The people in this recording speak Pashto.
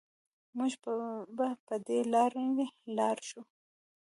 مونږ به په دې لارې لاړ شو